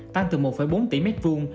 tăng từ một bốn tỷ mét vuông